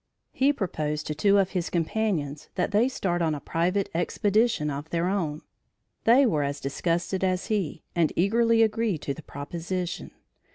He proposed to two of his companions that they start on a private expedition of their own. They were as disgusted as he and eagerly agreed to the proposition.